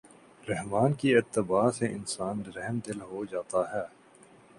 رحمٰن کی اتباع سے انسان رحمدل ہو جاتا ہے۔